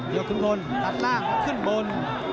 ย่อขุนพลตัดล่างขึ้นบน